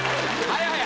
はい